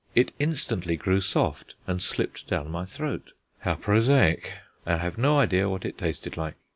It instantly grew soft and slipped down my throat. How prosaic! I have no idea what it tasted like.